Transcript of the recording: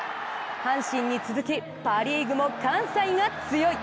阪神に続き、パ・リーグも関西が強い！